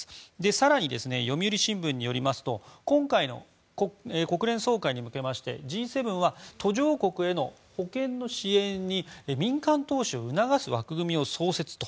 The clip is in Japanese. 更に読売新聞によりますと今回の国連総会に向けましてＧ７は途上国への保健の支援に民間投資を促す枠組みを創設と。